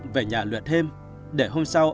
về nhà luyện thêm để hôm sau